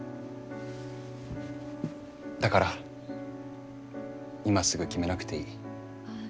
だから今すぐ決めなくていい。